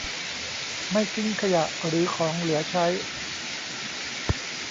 ไม่ทิ้งขยะหรือของเหลือใช้